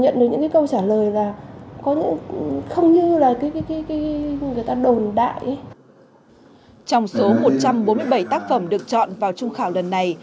trong số một trăm bốn mươi bảy tác phẩm được chọn vào trung khảo lần này